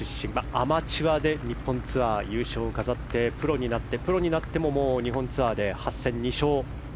アマチュアで日本ツアー優勝を飾ってプロになって、もう日本ツアーで８戦２勝。